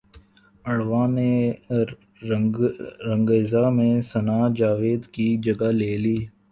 عروہ نے رنگریزا میں ثناء جاوید کی جگہ لے لی